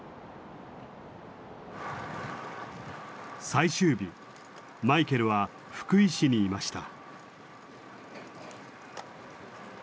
最終日マイケルは福井市にいました。